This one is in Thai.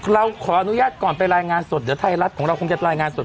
เราขออนุญาตก่อนไปรายงานสดเดี๋ยวไทยรัฐของเราคงจะรายงานสด